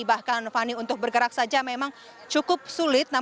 bahkan fani untuk bergerak saja memang cukup sulit